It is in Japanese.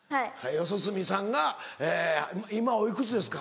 四十住さんが今おいくつですか？